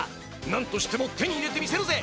何としても手に入れてみせるぜ！